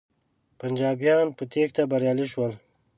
پنجابیان په تیښته بریالی شول.